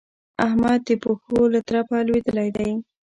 احمد د پښو له ترپه لوېدلی دی.